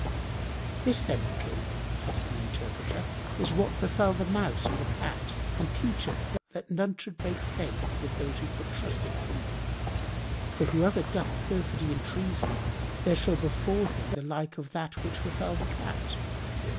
"This, then, O King," added the interpreter, "is what befel the Mouse and the Cat and teacheth that none should break faith with those who put trust in him; for who ever doth perfidy and treason, there shall befal him the like of that which befel the Cat.